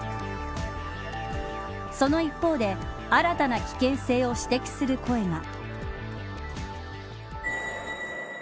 その一方で、新たな危険性を指摘する声が。